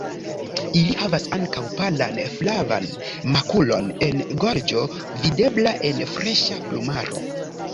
Ili havas ankaŭ palan flavan makulon en gorĝo videbla en freŝa plumaro.